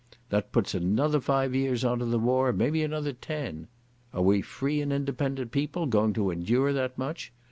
That puts another five years on to the war, maybe another ten. Are we free and independent peoples going to endure that much?...